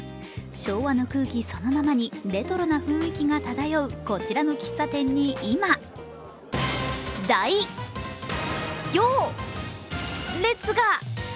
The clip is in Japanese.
昭和の空気そのままにレトロな雰囲気が漂うこちらの喫茶店に今、大行列が。